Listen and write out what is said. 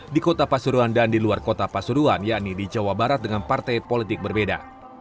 di kota pasuruan dan di luar kota pasuruan yakni di jawa barat dengan partai politik berbeda